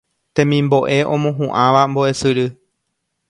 temimbo'e omohu'ãva mbo'esyry